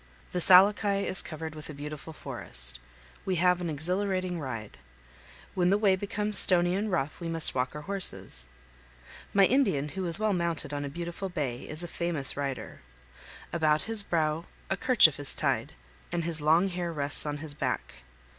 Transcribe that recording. The Salahkai is covered with a beautiful forest. We have an exhilarating ride. When the way becomes stony and rough we must walk our horses. My Indian, who is well mounted on a beautiful bay, is a famous rider. About his brow a kerchief is tied, and his long hair rests on his back.